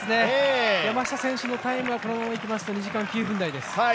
山下選手のタイムはこのままいきますと２時間９分台です。